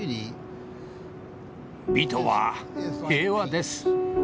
美とは平和です。